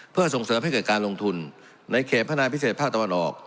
เพื่อส่งเสริมให้เกิดการลงทุนในเขตพัฒนาพิเศษภาคตะวันออก